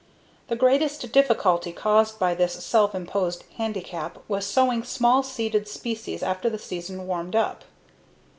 The greatest difficulty caused by this self imposed handicap was sowing small seeded species after the season warmed up.